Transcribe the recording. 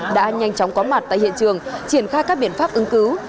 đã nhanh chóng có mặt tại hiện trường triển khai các biện pháp ứng cứu